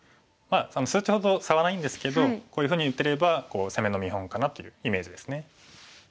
その数値ほど差はないんですけどこういうふうに打てれば攻めの見本かなというイメージですね。